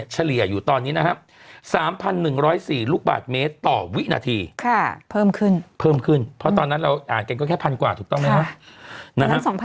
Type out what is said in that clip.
เฉลี่ยอยู่ตอนนี้นะครับ๓๑๐๔ลูกบาทเมตรต่อวินาทีเพิ่มขึ้นเพิ่มขึ้นเพราะตอนนั้นเราอ่านกันก็แค่พันกว่าถูกต้องไหมครับ